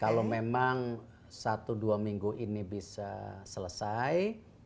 kalau memang satu dua minggu ini bisa selesai